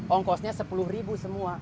ongkosnya sepuluh ribu semua